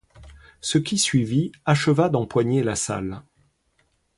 Ce qui suivit acheva d'empoigner la salle.